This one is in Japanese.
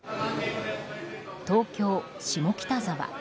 東京・下北沢。